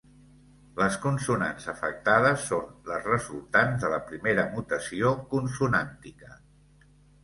Les consonants afectades són les resultants de la primera mutació consonàntica.